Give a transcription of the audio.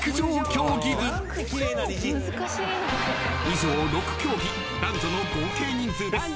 ［以上６競技男女の合計人数です］